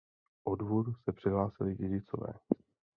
O dvůr se přihlásili dědicové.